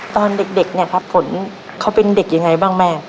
ตอนเด็กเนี่ยครับฝนเขาเป็นเด็กยังไงบ้างแม่